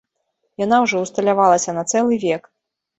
Яна ўжо ўсталявалася на цэлы век.